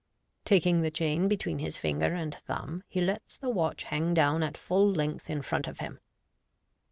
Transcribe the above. Taking the chain between his finger and thumb, he lets the watch hang down at full length in front of him.